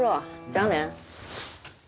じゃーね。